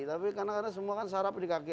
tapi karena semua kan saraf di kaki